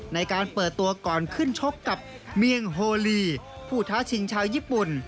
ในการเปิดตัวก่อนขึ้นชกกับเมียงโฮลีผู้ท้าชิงชาวญี่ปุ่น